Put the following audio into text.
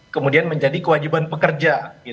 kemudian menjadi kewajiban pekerja